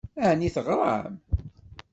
Ɛni teɣṛam?